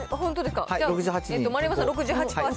丸山さん、６８％。